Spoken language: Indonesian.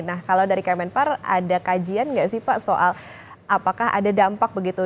nah kalau dari kemenpar ada kajian nggak sih pak soal apakah ada dampak begitu